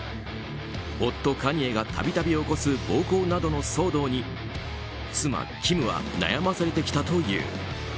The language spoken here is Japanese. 夫カニエが度々起こす暴行などの騒動に妻キムは悩まされてきたという。